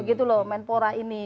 begitu loh kemenpora ini